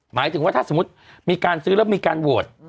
หมายถึงว่าถ้าสมมุติมีการซื้อแล้วมีการโหวต